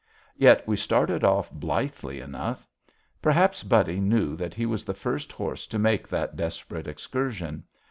Yet we started off blithely enough. Perhaps Buddy knew that he was the first horse to make that desperate excursion.